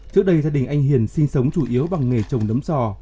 trước đây gia đình anh hiền sinh sống chủ yếu bằng nghề trồng nấm sò